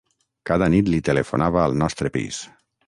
Cada nit li telefonava al nostre pis.